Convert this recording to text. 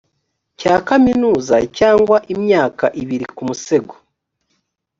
cya kaminuza cyangwa imyaka ibiri ku musego